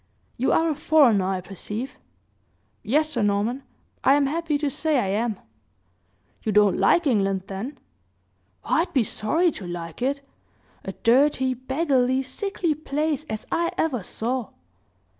You are a foreigner, I perceive?" "Yes, Sir Norman, I am happy to say I am." "You don't like England, then?" "I'd be sorry to like it; a dirty, beggarly, sickly place as I ever saw!"